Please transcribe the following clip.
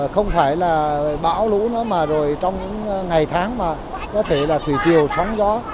không phải là bão lũ nữa mà rồi trong những ngày tháng mà có thể là thủy triều sóng gió